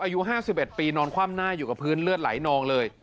อายุ๕๑ปีนอนคว่ำหน้าอยู่กับพื้นเลือดไหลนองเลย